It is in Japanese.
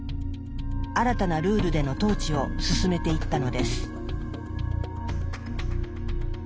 新たなルールでの統治を進めていったのです。